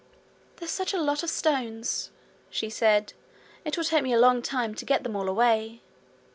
'There's such a lot of stones!' she said. 'It will take me a long time to get them all away.'